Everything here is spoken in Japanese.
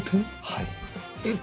はい。